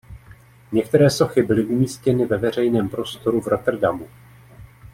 Některé sochy byly umístěny ve veřejném prostoru v Rotterdamu.